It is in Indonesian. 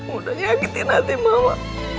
udah nyakitin hati mama